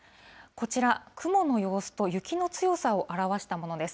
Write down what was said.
こちら、雲の様子と雪の強さを表したものです。